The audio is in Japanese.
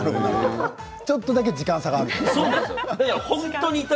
ちょっとだけ時間差があるんですね。